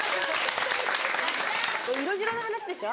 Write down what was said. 色白の話でしょ？